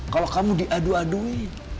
kalau kamu diadu adui